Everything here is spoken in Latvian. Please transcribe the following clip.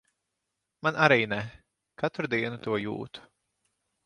Man arī ne. Katru dienu to jūtu.